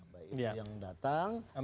baik itu yang datang